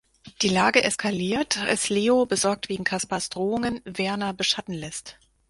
Die Lage eskaliert, als Leo, besorgt wegen Caspars Drohungen, Verna beschatten lässt.